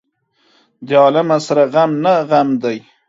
د عالمه سره غم نه غم دى.